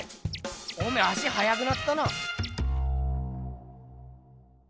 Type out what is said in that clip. おめえ足はやくなったな。